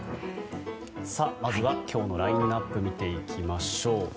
まずは今日のラインアップ見ていきましょう。